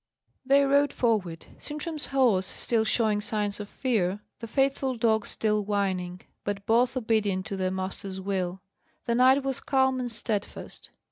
They rode forward; Sintram's horse still showing signs of fear, the faithful dog still whining; but both obedient to their master's will. The knight was calm and steadfast.